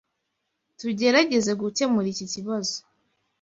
Tugerageza gukemura iki kibazo.